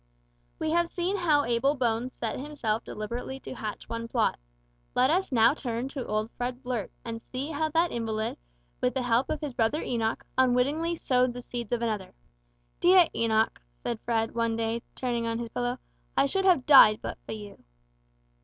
We have seen how Abel Bones set himself deliberately to hatch one plot. Let us now turn to old Fred Blurt, and see how that invalid, with the help of his brother Enoch, unwittingly sowed the seeds of another. "Dear Enoch," said Fred one day, turning on his pillow, "I should have died but for you."